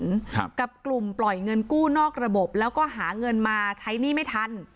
ครับกับกลุ่มปล่อยเงินกู้นอกระบบแล้วก็หาเงินมาใช้หนี้ไม่ทัน